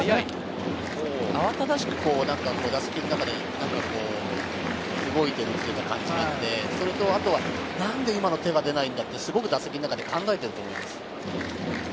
慌ただしく打席の中で動いているっていうような感じがあって、それとあとは何で今のは手が出ないんだって打席の中で考えてると思うんです。